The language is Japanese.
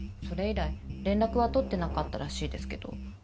それ以来連絡は取ってなかったらしいですけど。